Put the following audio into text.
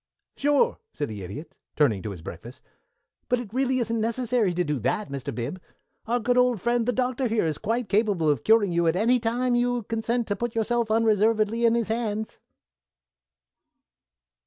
"Sure," said the Idiot, turning to his breakfast, "but it really isn't necessary to do that, Mr. Bib. Our good old friend, the Doctor here, is quite capable of curing you at any time you consent to put yourself unreservedly in his hands."